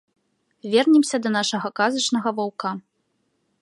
Вернемся да нашага казачнага ваўка.